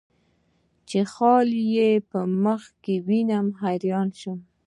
چې یې خال په مخ کې وینم، حیران شوم.